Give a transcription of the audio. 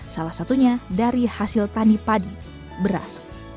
salah satunya dari hasil tani padi beras